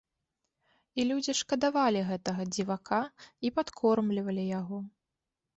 І людзі шкадавалі гэтага дзівака і падкормлівалі яго.